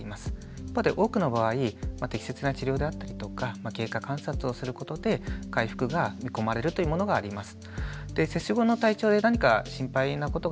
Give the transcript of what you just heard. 多くの場合適切な治療であったりとか経過観察をすることで回復が見込まれるというものがあります。